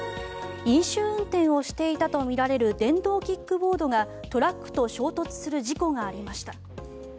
飲酒運転をしていたとみられる電動キックボードがトラックと衝突する事故がありました。